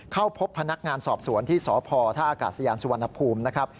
เข้าพบพนักงานสอบสวนที่สพธสยสวนภูมินะครับ